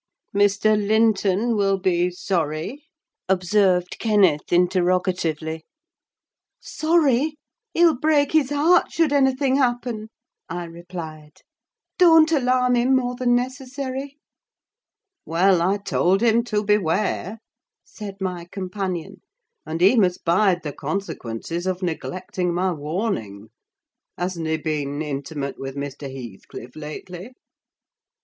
"Mr. Linton will be sorry?" observed Kenneth, interrogatively. "Sorry? he'll break his heart should anything happen!" I replied. "Don't alarm him more than necessary." "Well, I told him to beware," said my companion; "and he must bide the consequences of neglecting my warning! Hasn't he been intimate with Mr. Heathcliff lately?"